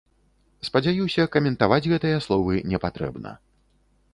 Спадзяюся, каментаваць гэтыя словы не патрэбна.